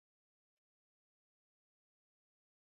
na thamani ya siku nzima Kijiji cha medieval